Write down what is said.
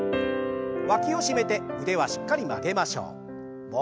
わきを締めて腕はしっかり曲げましょう。